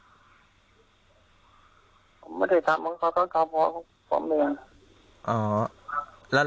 ผมไม่ได้ทำมันก็ต้องทำของผมเอง